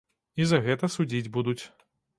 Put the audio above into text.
І за гэта судзіць будуць.